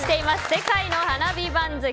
世界の花火番付。